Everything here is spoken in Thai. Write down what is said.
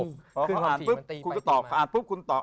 พออ่านปุ๊บคุณก็ตอบอ่านปุ๊บคุณตอบ